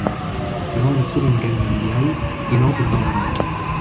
Durant la Seconde Guerre mondiale, il entre dans l'armée.